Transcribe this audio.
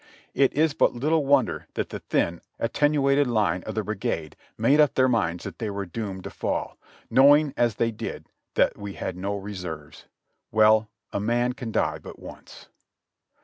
It is but little wonder that the thin, attenuated line of the brigade made up their minds that they were doomed to fall, knowing as they did that we had no reserves. Well, a man can die but once.